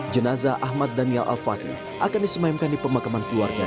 jenazah ahmad daniel al fatih akan disemayamkan di pemakaman keluarga